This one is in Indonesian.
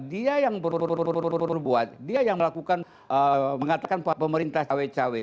dia yang berbuat dia yang melakukan mengatakan pemerintah cawe cawe